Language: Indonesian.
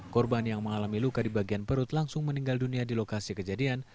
korban yang mengalami luka di bagian perut langsung meninggal dunia di lokasi kejadian